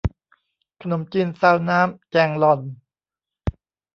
ขนมจีนซาวน้ำแจงลอน